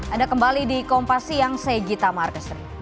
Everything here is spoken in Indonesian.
anda kembali di kompas siang saya gita marquestri